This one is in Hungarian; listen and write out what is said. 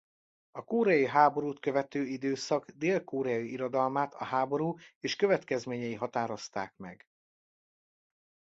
A koreai háborút követő időszak dél-koreai irodalmát a háború és következményei határozták meg.